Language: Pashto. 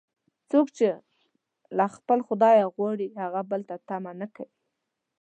څوک یې چې له خپله خدایه غواړي، هغه بل ته طمعه نه کوي.